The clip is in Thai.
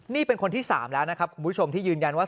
นี่เป็นคนที่๓แล้วนะครับคุณผู้ชมที่ยืนยันว่า